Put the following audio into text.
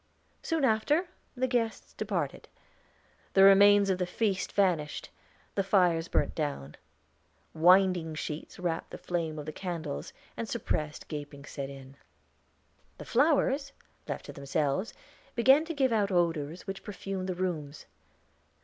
Soon after the guests departed. The remains of the feast vanished; the fires burnt down, "winding sheets" wrapped the flame of the candles, and suppressed gaping set in. The flowers, left to themselves, began to give out odors which perfumed the rooms.